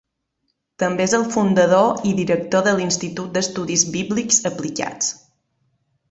També és el fundador i director de l'Institut d'Estudis Bíblics Aplicats.